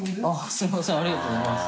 すみませんありがとうございます。